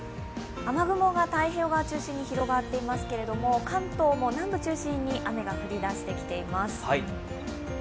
雨雲が太平洋側中心に広がっていますけれども、関東も南部中心に雨が降りだしてきています。